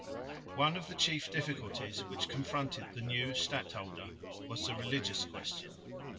One of the chief difficulties which confronted the new stadholder was the religious question.